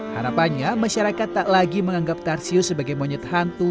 harapannya masyarakat tak lagi menganggap tarsius sebagai monyet hantu